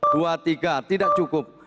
dua tiga tidak cukup